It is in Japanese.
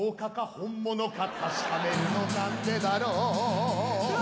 本物か確かめるの何でだろううわ